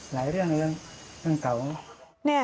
เรื่องเรื่องเก่า